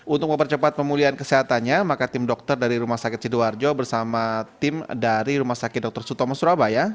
untuk mempercepat pemulihan kesehatannya maka tim dokter dari rumah sakit sidoarjo bersama tim dari rumah sakit dr sutomo surabaya